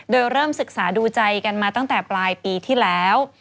โดยเริ่มศึกษาดูใจกันมาตั้งแต่ปลายปีที่แล้ว